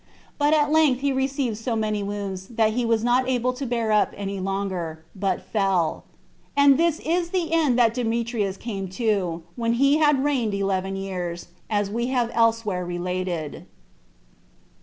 But at length he received so many wounds, that he was not able to bear up any longer, but fell. And this is the end that Demetrius came to, when he had reigned eleven years, 4 as we have elsewhere related.